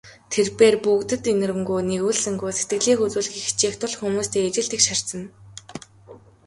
Тэр бээр бүгдэд энэрэнгүй, нигүүлсэнгүй сэтгэлийг үзүүлэхийг хичээх тул хүмүүстэй ижил тэгш харьцана.